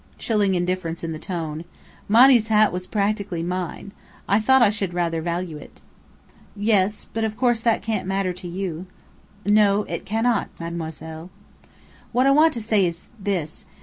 Chilling indifference in the tone. (Monny's hat was practically mine. I thought I should rather value it.) "Yes. But of course that can't matter to you." "No. It cannot, Mademoiselle." "What I want to say, is this.